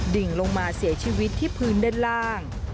ดิ่งลงมาเสียชีวิตที่พื้นด้านล่าง